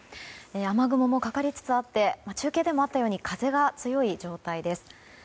雨雲もかかりつつあって中継でもあったように風が強い状態です。